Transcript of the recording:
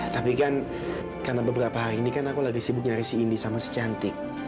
tapi kan karena beberapa hari ini kan aku lagi sibuk nyari si ini sama si cantik